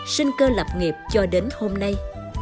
sinh cơ lập nghiệp cho đến hôm nay